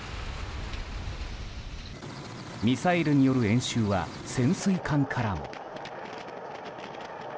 ミサイルによる演習は潜水艦からも。